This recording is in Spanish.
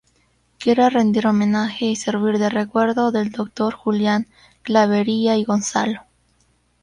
Quiere rendir homenaje y servir de recuerdo del doctor Julián Clavería y Gonzalo.